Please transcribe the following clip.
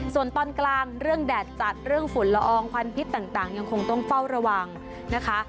ส่วนตอนกลางเรื่องแดดจัดเรื่องฝุ่นละอองควันพิษต่างยังคงต้องเฝ้าระวังนะคะ